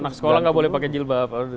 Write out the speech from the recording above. anak sekolah nggak boleh pakai jilbab